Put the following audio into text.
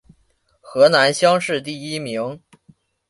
河南乡试第一名。